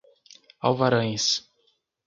Alvarães